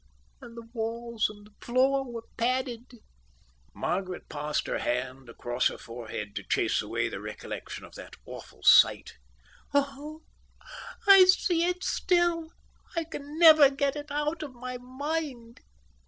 And the walls and the floor were padded." Margaret passed her hand across her forehead to chase away the recollection of that awful sight. "Oh, I see it still. I can never get it out of my mind."